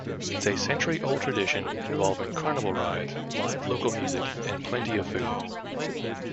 It's a century-old tradition involving carnival rides, live local music, and plenty of food.